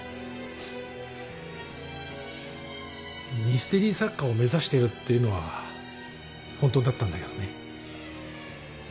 ミステリー作家を目指してるっていうのは本当だったんだけどね。